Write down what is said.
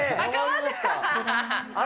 あれ？